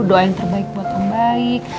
doain terbaik buat om baik